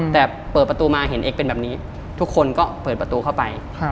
แต่เปิดประตูมาเห็นเอ็กซเป็นแบบนี้ทุกคนก็เปิดประตูเข้าไป